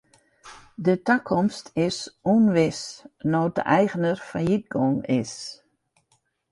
De takomst is ûnwis no't de eigener fallyt gien is.